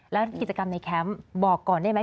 แล้วกิจกรรมในแคมป์บอกก่อนได้ไหม